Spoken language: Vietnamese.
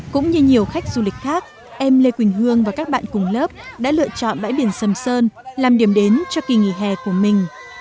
cũng như nhiều khách du lịch khác em lê quỳnh hương và các bạn cùng lớp đã lựa chọn bãi biển sầm sơn làm điểm đến cho kỳ nghỉ hè của mình